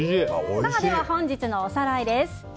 本日のおさらいです。